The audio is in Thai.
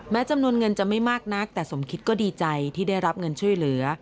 จำนวนเงินจะไม่มากนักแต่สมคิดก็ดีใจที่ได้รับเงินช่วยเหลือ